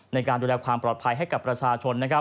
ในการดูแลความปลอดภัยให้กับประชาชน